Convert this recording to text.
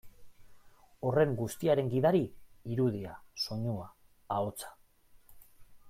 Horren guztiaren gidari, irudia, soinua, ahotsa.